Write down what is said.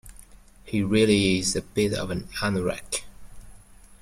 He really is a bit of an anorak